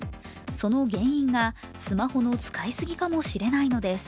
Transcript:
その原因がスマホの使いすぎかもしれないのです。